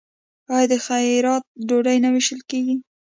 آیا د خیرات ډوډۍ نه ویشل کیږي؟